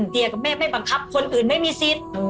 เดียกับแม่ไม่บังคับคนอื่นไม่มีสิทธิ์